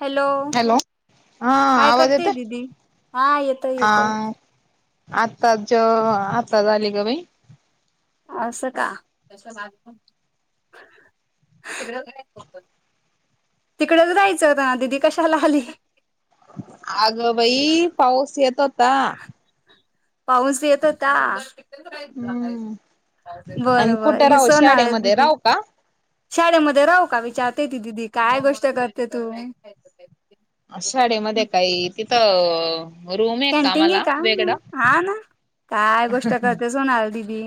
Hello! Hello हा काय आवाज करतेय येतोय दिदी? हा येतोय येतोय. आत्ताच ज आता आली ग बाई! असं का? तिकडेच राहायचं ना दिदी कशाला आली? अगं बाई पाऊस येत होता. पाऊस येत होता. आणि बरोबर कुठे हे राहू विसरणार आहे शाळेमध्ये दीदी. राहू का शाळेमध्ये राहू का विचारते ती दिदी काय गोष्ट करते तू! शाळेमध्ये काही तिथं रूम कॅन्टीन आहे मला का? वेगळा हा ना काय गोष्ट करतेस होणा दीदी.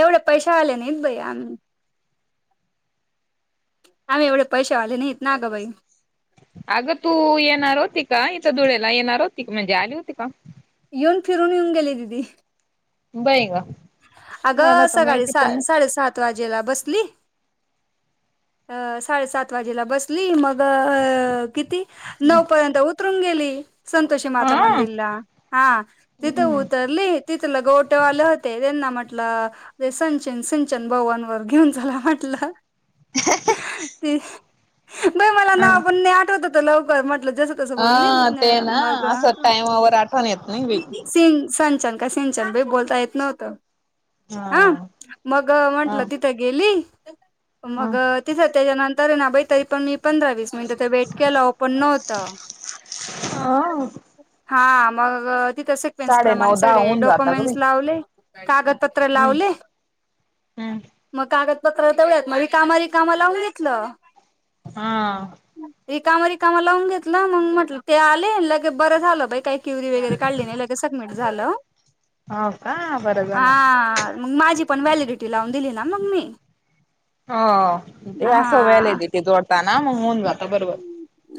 एवढे पैसे आले नाहीत बई आम्ही आम्ही एवढे पैसे वाले नाहीत ना ग बाई. अगं तू येणार होती का इथं धुळे्याला येणार होती का म्हणजे आली होती का? येऊन फिरून येऊन गेले दिदी. बाईग! अगं सकाळी साडेसात वाजेला बसली. अ साडेसात वाजेला बसली मग किती नऊ पर्यंत उतरून गेली. संतोषी माता हा मंदिरला हा तिथं ह उतरली तिथला गोटवाले होते त्यांना म्हट ल, संचन सिचन भाऊांवर घेऊन झाला म्हटलं. ते बाई मला नाव पण आठवत होत लवकर म टलं जस तस बोलली, हा ते आ ना मग असं टायमावर आठवण येत नाही बाई सिंचन का सिंचन भ बोलता येत नव्हतं. हा मग म्हंटलं हा तिथं गेली मग तिथं त्याच्यानंतर ना बाई तरी पण मी पंधरा वीस मिनट वेट केलो ओपन न्हवत. हा हा मग तिथं सिक्वेन्स साडे नऊ प्रमाणे दहा सगळे होऊन जाता ग डॉक्युमेंटस बाई. लावले कागद पत्र हम्म लावले, हम्म म कागद पत्र तेवढ्यात कामले कामा लावून घेतलं. हा. रिकमा रिकमा लावून घेतलं मग म्हटलं ते आले ल क बरं झालं बाई काही क्यवरी वगैरे काढली नाही लगेच सबमिट झालं. हो का बरं झालं. हा मग माझी पण व्हॅलिडिटी लावून दिली ना मग मी. हो ते अस हा व्हॅलेडिटी जोडताना मग मोऊन जाता बरोबर.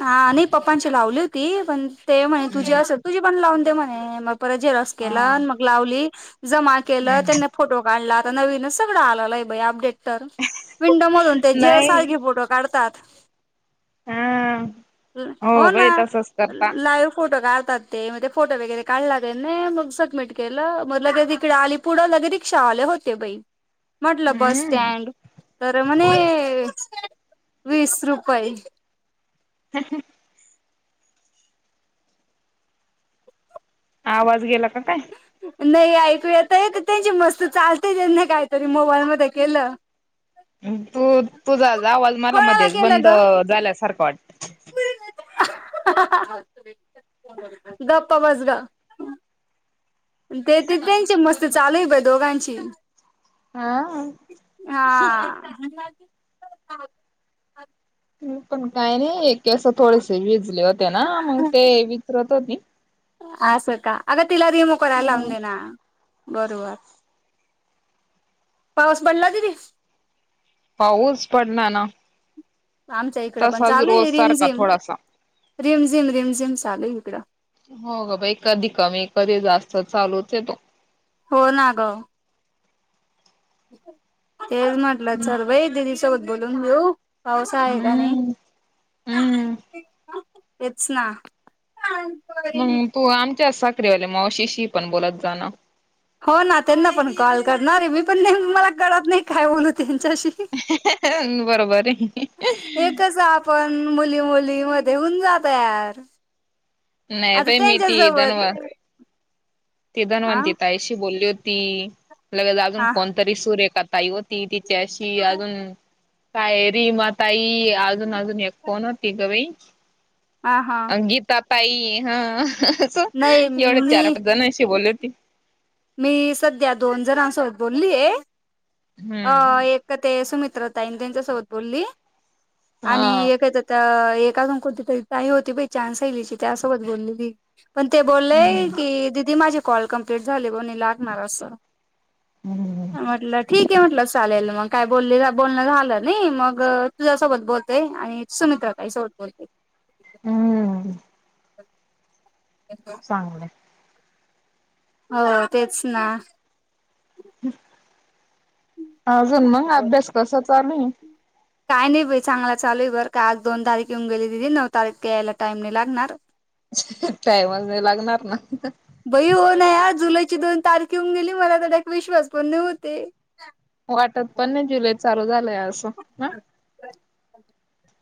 हा नाही पप्पांची लावली होती पण ते म्हणे तुझी हम्म अस तुझी पण लावून दे म्हणे मग परत झेरॉक्स हा केल मग लावली जमा केल हम्म. त्यांनी फोटो काढला आता नवीन सगळ आलंल आहे बाई अपडेट तर विंडो मधून ते जे नाही सारखे फोटो काढतात. हा हो ना बाई तसच करता. लाईव्ह फोटो काढ तात ते फोटो वगैरे काढलागले ना मग सबमिट केल मग लगे तिकडे आली पुढ लगे रिक्षा आल्या होत्या बाई म्हटल बस हम्म स्टँड तर म्हणे वीस रुपये! [unintelligible] आवाज गेला का काय? नाही ऐकू येत येत त्यांची मस्त चालते त्यांनी काहीतरी मोबाईल मध्ये केलं. तू तुझाच आवाज मला कोणाला मध्येच केलं बंद ग झाल्यासारखा वाटतो! गप्प बस ग! ते ते त्यांची मस्त चालू आहे बाई दोघांची हा. हा पण काही नाही हे केस थोडेसे विजले होते ना मग ते विचरत होती अस का अग तिला रिमूव्ह करायला लावून दे ना बरोबर पाऊस पडला तरी पाऊच पड ना ना आमच्या इकडं तसाच रोज सारखा थोडासा रिम् झिम रिम् झिम् चालू ये एकड- हो बाई कधी कमी ए कधी जास्त चालूच आहेे तो. हो ना ग तेच म्हटल चल बाई दिदी सोबत बोलून घेऊ. पाऊसा आहे का नाही? हम्म हम्म. हेच ना मग तू आमच्याच साखरु वाल्या मगशीशी पण बोलत जाणा हो ना त्यांना पण कॉल करणारे मी पण मला कळत नाही काय बोलू त्यांच्याशी बरोबर आहे. एकच आपण मुली मुली मध्ये होऊन जा तयार नाही आता बाई मी ती धनव त्यांच्यासोबत. ती धनवंती ताईशी बोलली होती लगेच अजून हा कोणतरी सूरेखा ताई होती ति त्याशी अजून काय रीमा ताई अजून अजून एक कोण होती ग बाई हा हा गीता ताई हा नाही एवढच अस मी चार जणांशी अशी बोलली होती मी सध्या दोन जणांसोबत बोलली आहे अ हम्म एक ते सुमित. त्यांच्या सोबत बोलली आणि हा. एकच एक अजून कोणती तरी ताई होती ती चानसहीलीची त्यासोबत बोलली ती पण ते हम्म बोललेय की दिदी माझे कॉल कमप्लीट झाली बोणी लागणार अस हम्म म्हटलं. ठीक आहे म्हटलं चालेल मग काय बोल बोलण झाल नाही मग तुझ्यासोबत बोलतय आणि [unintelligible] हम्म्. [unintelligible] चांगलय हो तेच ना. अजून मंग अभ्यास कसा चालूये. काय नाही चांगला चालू आहे बर का आज दोन तारीख येऊन गेली दिदी नऊ तारीख यायला टाइम नाही लागणार. टायमच नाही लागणार ना. बई होन या जुलैची दोन तारखे येऊन गेली मला तर त्याक विश्वास पण नाही होते. वाटत पण नाही जुलै चालू झालंय असं ह.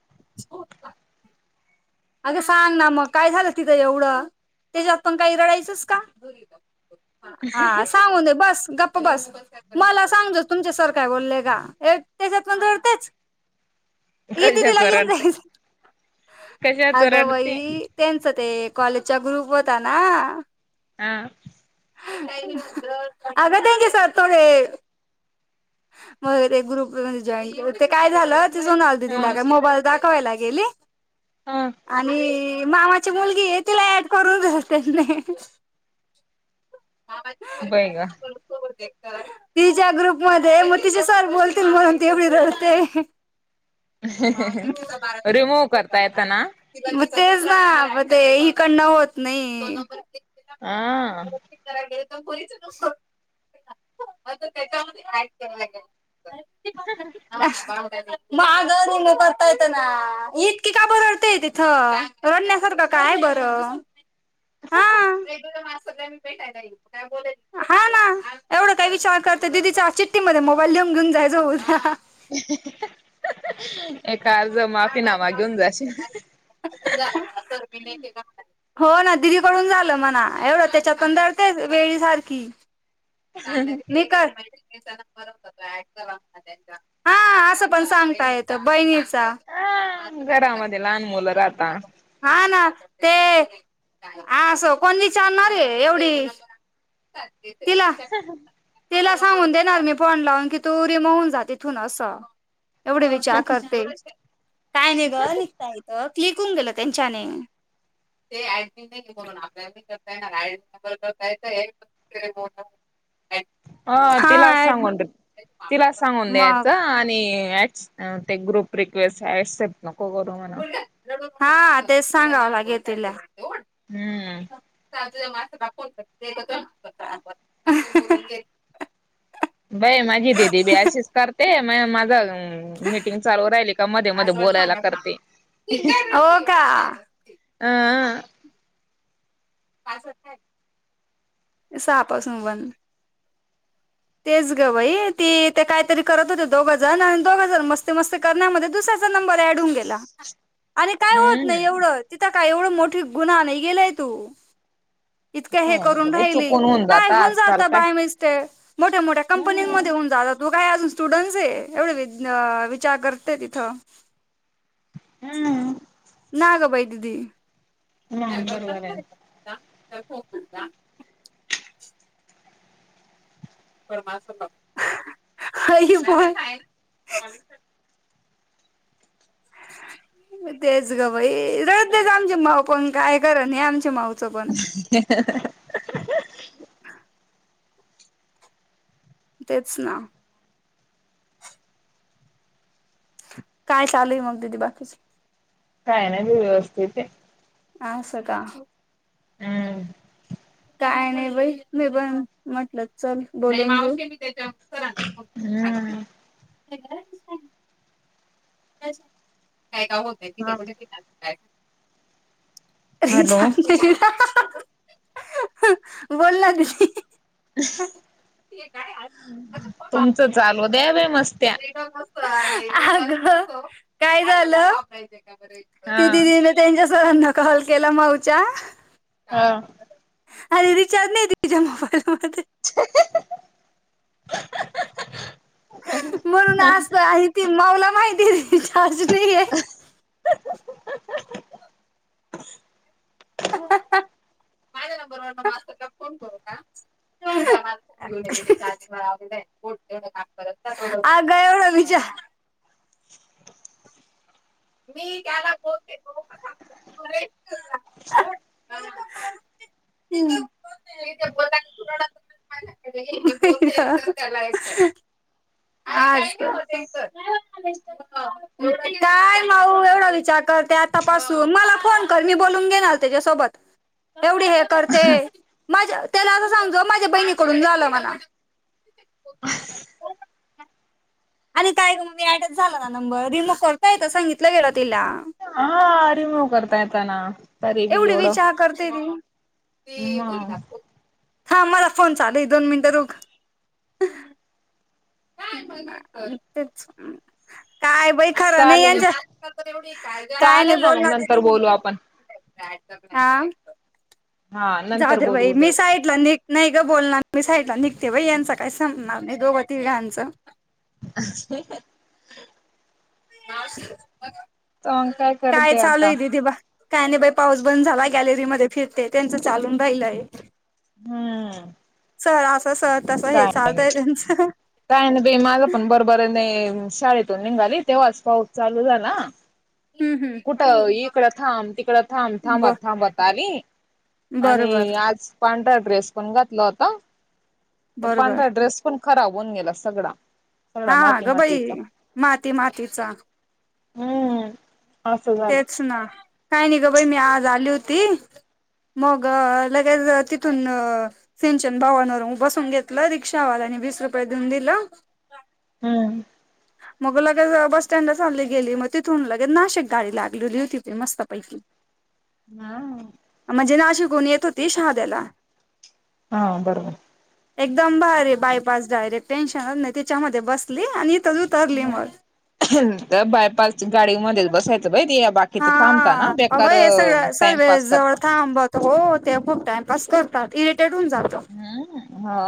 [inaudible] अगे सांग ना मग काय झालं तिथं एवढं. त्याच्यात पण काही रडायचंस का हा सांग बस गप. बस मला सांगज तुमच्या सारखा बोलले का त्याच्यात पण जडतेच. ई दिदी कशाच रडते लाग जा. कशाच अगं वई रडते त्यांच ते कॉलेजचा ग्रुप होता ना. हा. अग द गे सर थोडे. मगरे ग्रुपमध्ये जॉईन के ते काय हा झालं. मोबाल दाखवाला गे हा आणि. मामाची मुलगी आहे तिला ऍड करून द त्यांनी. बै का. तिच्या्या ग्रुप मध्ये मग तिचे सर बोलतील म्हणून ते एवढी रडते. रिमूव्ह करता येत ना [unintelligible] तेच ना म ते हकडनं होत नाही. [unintelligible] [unintelligible] [unintelligible] माग रंग करता येतो ना इतकी काबर रडतेय तिथं रडण्यासारखा काय बरं, हा. भेटायला येऊ काय बोलायचं, हा ना. एवढा काही विचार करते दिदीच्या चि्ठी मध्ये मोबाईल लिहन घेऊन जाय [unintelligible] [inaudible] माफीनामा घेऊन जाशील. [unintelligible] हो ना दिदीकडून झालं म्हणा एवढं त्याच्यातधळतेच वेळी सारखी. मी का. हा असं पण सांगता येत बहिणीच ता, ह घरामध्ये लहान मुलं राहता हा ना. ते, अस कोण विचारणारय एवढी. तीला. तिला सांगून देणार मी फोन लावून की तू रिमूव होऊन जाती थून असं. एवढे विचार करते, काय नाही ग निघता येत. क्लिक होऊन गेलं त्यांच्याने. ते ऍडमिट नाही म्हणून आपल्या करतायणार [unintelligible] अ तिलाच सांगून, तिलाच सांगून न्यायचं मग आणि अ ते ग्रुप रिक्वेस्ट एक्सेप्ट नको करू म्हणून. हा तेच सांगावं लागेल तीला. हम्म [unintelligible] बाय माझी दिदी बी अशीच करते मय माझ हम्म, मीटिंग चालू राहिली का मध्ये मध्ये बोलायला करते. हो का. अं [unintelligible] सहापासून बंद. तेच ग बाई ती ते कायतरी करत होते दोघ जण आणि दोघ जण मस्ती मस्ती करण्यामध्ये दुसऱ्या चा नंबर ॲड होऊन गेला, आणि काय होत नाही हम्म एवढं तिथं का एवढं मोठ गुन्हा नाही केलाय तू. इतक्या हे काय नाही करून बाई राहिली, चुकून होऊन काय जात होन जात आजकाल काय बाय मिस्टेक. मोठ्या मोठ्या हम्म कंपनी्यांमध्ये होऊन जात तू काय अजून स्टुडंट्स आहे एवढे वि विचार करते तिथ [unintelligible] ना ग बाई दिदी नाही बरोबर आहे [unintelligible] [unintelligible] परमा संमक है बाय [unintelligible] तेच ग बाई रडतेच आमची माऊ पण काय करत नय आमची माऊ. [unintelligible] तेच ना. काय चालूय मग दिदी बाकीच? काय नाय मी व्यवस्थितये. अस का? हम्म काय नाही बाई मी पण म्हटलं चल बोलून घेऊ? हा. [unintelligible] कुठे आहेस तू? हा [unintelligible] हॅलो [unintelligible] ह बोल लागली. हे काय आत तुमचं चालू दया, बया मस्त्या. अगं काय झालं? [unintelligible] हा ते दिदीन तेच्या सरांना कॉल केला, माऊच्या हा. अरे! रिचार्ज नाही, दी तिच्या मोबाईल मध्ये [unintelligible] म्हणून, असं आहे. ती माऊला माहिती दि [unintelligible] [unintelligible] [unintelligible] माझ्या नंबरवर मास्तरला फोन करू का? [unintelligible] अगं एवढा विचार. [unintelligible] मी त्याला बोलते. तू उग [unintelligible] [unintelligible] [unintelligible] [unintelligible] आज काय? [unintelligible] काय मऊ एवढा विचार. [unintelligible] करते आता पासून मला फोन कर, मी बोलून घेनार तेच्या सोबत. एवढी हे करते माझ्या त्याला समजावं, असं माझ्या बहिणीकडून झालं मनाव. [unintelligible] आणि काय गं ऍडच झाला, ना नंबर रिमूव्ह कर काय? एकदा सांगितलं गेल तिला. हा रिमुव्ह करता येतं ना. एवढे विचार करते, मी ते गोळी मग दाखव. हा मला फोनच चालूय दोन मिनटं [unintelligible] काय पण, कर तेच? काय बाई! खरं नाही चालेल यांनच [unintelligible] तेवढी काय नाय चालेल ना मग बोलना नंतर दीदी बोलू आपण काय तर हा? हा नंतर जाऊदे बोलू बाई! मी उद्या बोलू. साईडला निघ नाई ग बोलणार, मी साईडला निघते. यांच काही संपणार नाही दोघं, तिघांचं. [unintelligible] मावशी दाखव तर काय करते आता चालोय दीदी काय नाही? बाई! पाऊस बंद झालाय, गॅलरीमध्ये फिरते त्यांच चालून राहिलंय. ह. सर असं सर तसं हे चालतय? त्यांचं. काय ना बा माझं पण बरोबर नाही, शाळेतून निघाली तेव्हाच पाऊस चालू झाला. हम्म हम्म कुठं इ इकडं थांब तिकडं थांब, ब थांबत थांबत आली. बरोबर आणि आज पांढरा ड्रेस, पण घातला होता. तर बरोबर पांढरा ड्रेस पण खराब होऊन, गेला सगळा. हा सगळा माती गं बाई मातीचा माती मातीचा. हम्म असं झालं तेच ना काय नाही? गं बाई मी आज आली होती. मग लगेच तिथून सिंचन भावानवर बसून घेतलं रिक्षावाल्या वीस रुपयं देवून दिल. हम्म! मग लगेच बस स्टँड चाली गेली, मग तिथून लगे नाशिक गाडी लागलेली होती, मस्त पैकी हा. गुण येतं होतो, [unintelligible] हा बर. एकदम भारी बायपास डायरेक्ट टेन्शनच नाही त्याच्यामध्ये बसली आणि इथंच उतरली मग तर बायपास गाडी मध्येच बसायच. हा अगं हे सगळ सगळे टाइमपास जवळ करता थांबत हो ते खूप टाइमपास करतात इरेटेड होऊन जातो. हम्म. हा.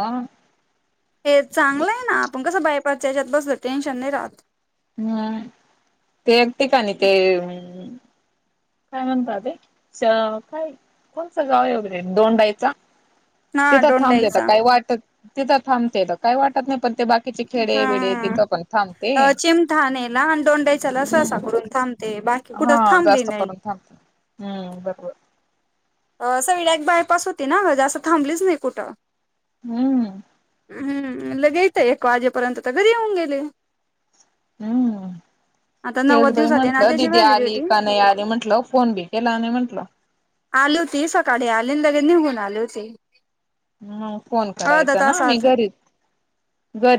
हे चांगलं आहे ना आपण कसं बायपास यायच्यात बसलं टेन्शन नाही राहत. हम्म ते एक ठिकणी ते काय म्हणतात ते काय कोणसं गाव आहे वगैरे दोंडायचा. हा तिथं थांबतेेत दोंडाईचा काय वाटत तिथं थांबतेेत काय वाटत नाही. पण ते बाकीचे खेडे बिडे तिथं हा पण थांबते चिमठाणेला आणि दोंडाईचाला हम्. सहसाकडून थांबते बाकी हा कुठंच थांबली जास्त नाही. करून थांबत हम्म बरोबर. सगळी एक बायपास होती ना असं थांबलीच नाही कुठं. हम्म. हम् लगेट एक वाजेपर्यंत तर घरी येऊन गेले. हम्म. आता नव्वद तेजबाई दिवसात आहे ना म्हटलं त्याची दिदी आली व्हॅलिडिटी का नाही आली म्हंटल फोन बी केला आणि म्हटलं. आले होती सकाळी आले लगे निघून आले होते. मग फोन करायचा ना आम्ही घरीत घरी